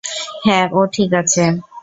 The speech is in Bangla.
হ্যাঁ, ও ঠিক আছে।